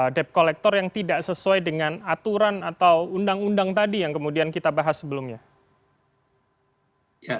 debt collector yang tidak sesuai dengan aturan atau undang undang tadi yang kemudian kita bahas sebelumnya